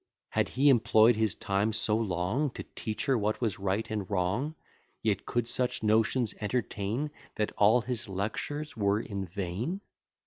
Had he employ'd his time so long To teach her what was right and wrong; Yet could such notions entertain That all his lectures were in vain?